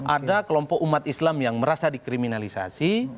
ada kelompok umat islam yang merasa dikriminalisasi